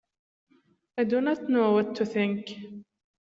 I do not know what to think.